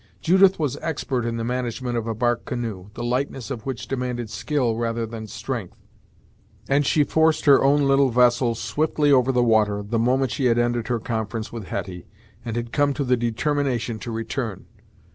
Judith was expert in the management of a bark canoe, the lightness of which demanded skill rather than strength; and she forced her own little vessel swiftly over the water, the moment she had ended her conference with Hetty, and had come to the determination to return.